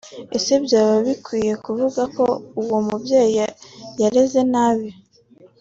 Ese byaba bikwiriye kuvuga ko uwo mubyeyi yareze nabi